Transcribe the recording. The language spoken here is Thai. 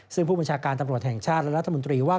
ซึ่งผู้บัญชาการตำรวจแห่งชาติและรัฐมนตรีว่า